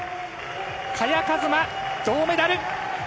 萱和磨、銅メダル。